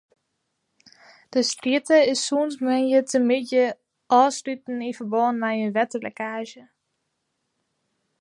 De strjitte is sûnt moandeitemiddei ôfsletten yn ferbân mei in wetterlekkaazje.